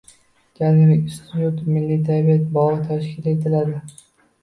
“Janubiy Ustyurt” milliy tabiat bog‘i tashkil etiladi